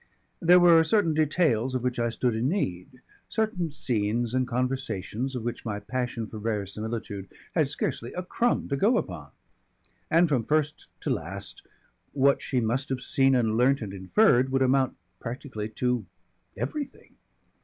There were certain details of which I stood in need, certain scenes and conversations of which my passion for verisimilitude had scarcely a crumb to go upon. And from first to last, what she must have seen and learnt and inferred would amount practically to everything.